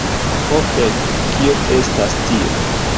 Ho fek. Kio estas tio?